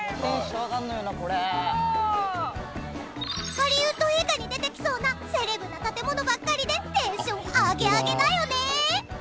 ハリウッド映画に出てきそうなセレブな建物ばっかりでテンション上げ上げだよね！